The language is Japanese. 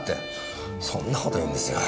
そんな事言うんですよ。